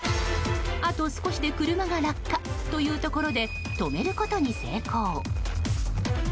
あと少しで車が落下というところで止めることに成功。